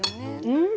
うん！